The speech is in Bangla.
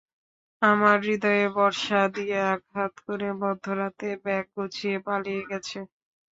আমার হৃদয়ে বর্শা দিয়ে আঘাত করে মধ্যরাতে ব্যাগ গুছিয়ে পালিয়ে গেছে!